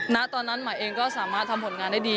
ณตอนนั้นหมายเองก็สามารถทำผลงานได้ดี